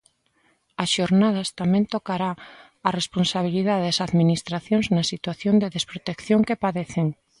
As xornadas tamén tocará a responsabilidade das administracións na situación de desprotección que padecen.